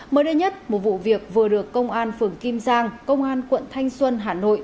mới đây nhất một vụ việc vừa được công an phường kim giang công an quận thanh xuân hà nội